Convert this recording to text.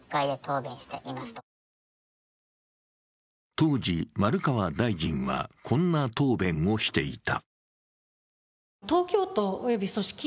当時、丸川大臣は、こんな答弁をしていた。